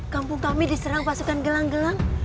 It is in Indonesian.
kampung kami diserang pasukan gelang gelang